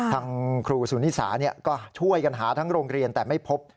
ทางครูสุนิสาก็ช่วยกันหาทั้งโรงเรียนแต่ไม่พบ